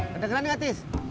kedengeran nggak tis